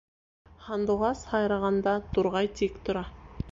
Һандуғас һайрағанда, турғай тик тора.